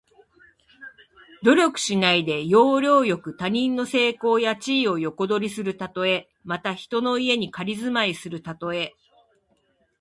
努力しないで、要領よく他人の成功や地位を横取りするたとえ。また、人の家に仮住まいするたとえ。